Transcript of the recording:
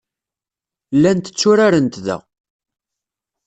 Llant tturarent da.